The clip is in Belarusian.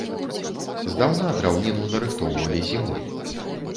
Здаўна драўніну нарыхтоўвалі зімой.